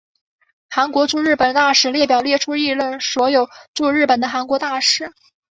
韩国驻日本大使列表列出历任所有驻日本的韩国大使。